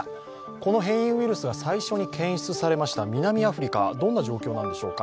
この変異ウイルスが最初に検出されました南アフリカ、どんな状況なんでしょうか。